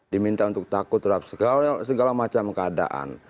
diminta untuk takut terhadap segala macam keadaan